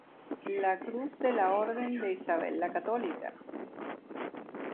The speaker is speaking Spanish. La Gran Cruz de la Orden de Isabel La Católica.